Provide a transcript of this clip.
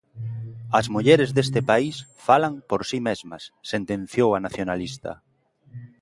"As mulleres deste país falan por si mesmas", sentenciou a nacionalista.